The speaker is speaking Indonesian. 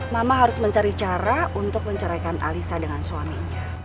mama harus mencari cara untuk menceraikan alisa dengan suaminya